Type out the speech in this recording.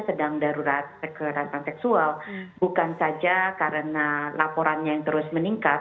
sedang darurat kekerasan seksual bukan saja karena laporannya yang terus meningkat